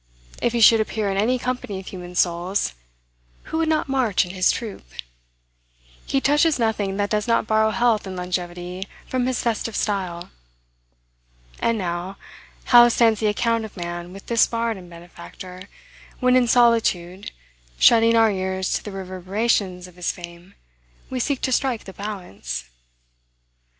If he should appear in any company of human souls, who would not march in his troop? He touches nothing that does not borrow health and longevity from his festive style. And now, how stands the account of man with this bard and benefactor, when in solitude, shutting our ears to the reverberations of his fame, we seek to strike the balance?